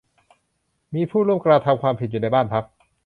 มีผู้ร่วมกระทำความผิดอยู่ในบ้านพัก